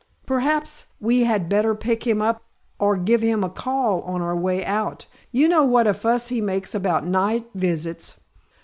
"Perhaps we had better pick him up or give him a call on our way out. You know what a fuss he makes about night visits."